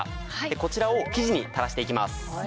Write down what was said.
こちらを生地に垂らしていきます。